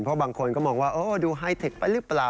เพราะบางคนก็มองว่าดูไฮเทคไปหรือเปล่า